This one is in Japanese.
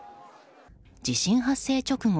地震発生直後